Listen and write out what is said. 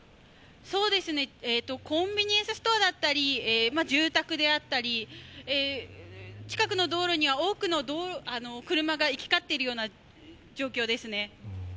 コンビニエンスストアだったり住宅であったり、近くの道路には多くの車が行き交っているような状況ですね。